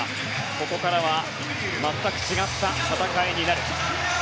ここからは全く違った戦いになる。